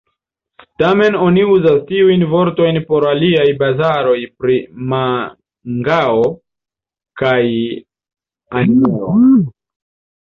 Tamen oni uzas tiujn vortojn por aliaj bazaroj pri mangao kaj animeo.